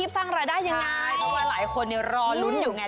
เพราะว่าหลายคนรอลุ้นอยู่ไง